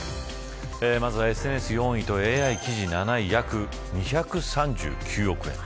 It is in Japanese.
まずはＳＮＳ４位とＡＩ記事７位約２３９億円。